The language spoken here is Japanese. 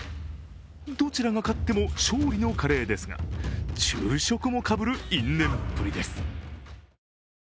どちらが勝っても勝利のカレーですが昼食もかぶる因縁っぷりです。